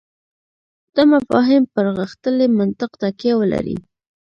دا مفاهیم پر غښتلي منطق تکیه ولري.